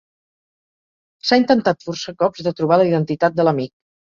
S'ha intentat força cops de trobar la identitat de l'Amic.